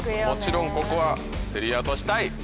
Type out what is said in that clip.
もちろんここは競り落としたい。